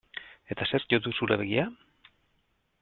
Eta zerk jo du zure begia?